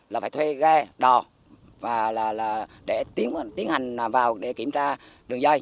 là phải thuê ghe đò và là để tiến hành vào để kiểm tra đường dây